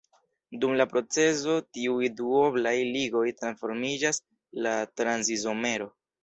Dum la procezo tiuj duoblaj ligoj transformiĝas la trans-izomero.